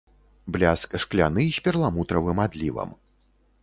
Бляск шкляны з перламутравым адлівам.